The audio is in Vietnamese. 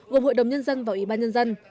gồm hội đồng nhân dân và ủy ban nhân dân